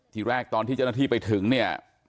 ทีแรกตอนที่เจ้าหน้าที่ไปถึงเนี่ย